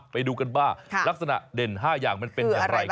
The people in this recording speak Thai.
ไปดูกันบ้างลักษณะเด่น๕อย่างมันเป็นอย่างไร